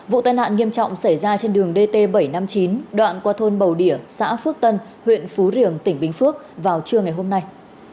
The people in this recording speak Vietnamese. vụ tai nạn nghiêm trọng xảy ra trên đường dt bảy trăm năm mươi chín đoạn qua thôn bầu đỉa xã phước tân huyện phú riềng tỉnh bình phước vào trưa ngày hôm nay